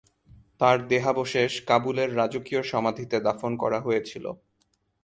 তার দেহাবশেষ কাবুলের রাজকীয় সমাধিতে দাফন করা হয়েছিল।